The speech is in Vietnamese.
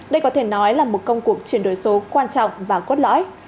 đây có thể nói là một công cuộc chuyển đổi số quan trọng và cốt lõi